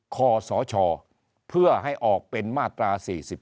คอสชเพื่อให้ออกเป็นมาตรา๔๔